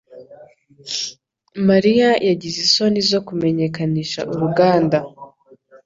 Mariya yagize isoni zo kumenyekanisha uruganda